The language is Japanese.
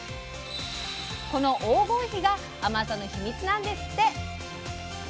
この黄金比が甘さのヒミツなんですって！